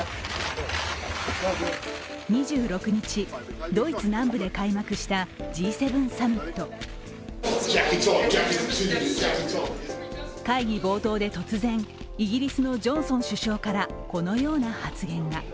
２６日、ドイツ南部で開幕したＧ７サミット。会議冒頭で突然、イギリスのジョンソン首相からこのような発言が。